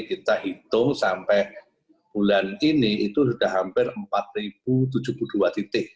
kita hitung sampai bulan ini itu sudah hampir empat tujuh puluh dua titik